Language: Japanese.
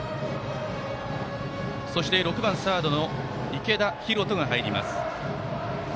そして６番、サードの池田優斗が打席に入ります。